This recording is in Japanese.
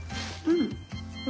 うん。